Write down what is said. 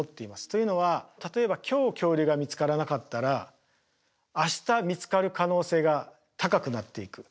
というのは例えば今日恐竜が見つからなかったら明日見つかる可能性が高くなっていく。